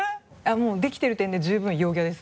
もうできてる点で十分陽キャです。